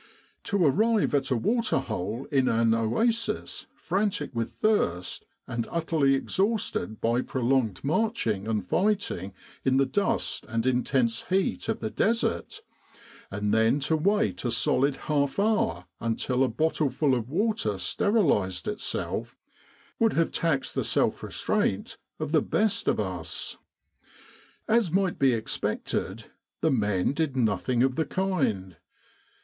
To arrive at a water hole in an oasis frantic with thirst and utterly exhausted by prolonged marching and fighting in the dust and intense heat of the Desert, and then to wait a solid half hour until a bottlef ul of water sterilised itself, would have taxed the self restraint of the best of us. As might be expected, the men did nothing of the kind.